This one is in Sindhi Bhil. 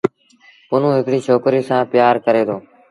پنهون هڪڙيٚ ڇوڪريٚ سآݩ پيٚآر ڪريٚ دو۔